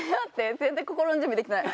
全然心の準備できてない。